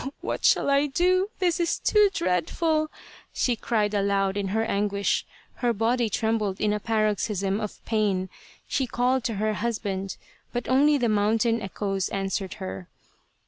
" Oh ! what shall I do ? This is too dreadful !" she cried aloud in her anguish. Her body trembled in a paroxysm of pain. She called to her husband, but only the mountain echoes answered her.